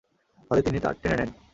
ফলে তিনি তা টেনে নেন।